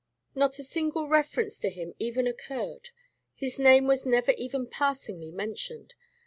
Not a single reference to him even occurred; his name was never even passingly mentioned.